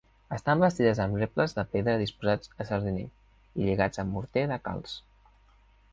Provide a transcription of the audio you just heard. Estan bastides amb rebles de pedra disposats a sardinell, i lligats amb morter de calç.